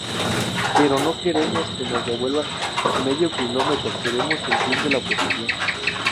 Pero no queremos que nos devuelvan medio kilómetro, queremos el fin de la ocupación.